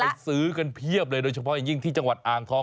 ซื้อกันเพียบเลยโดยเฉพาะอย่างยิ่งที่จังหวัดอ่างทอง